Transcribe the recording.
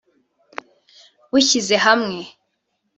bushyize hamwe